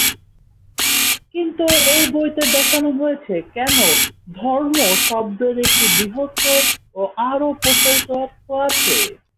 কিন্তু এই বইতে দেখানো হয়েছে, কেন "ধর্ম" শব্দের একটি বৃহত্তর ও আরও প্রসারিত অর্থ আছে।